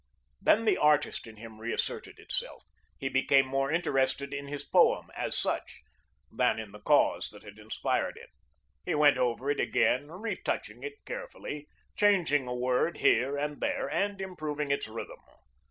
Then the artist in him reasserted itself. He became more interested in his poem, as such, than in the cause that had inspired it. He went over it again, retouching it carefully, changing a word here and there, and improving its rhythm.